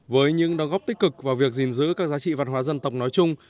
với những đóng góp tích cực vào việc gìn giữ các giá trị văn hóa dân tộc nói chung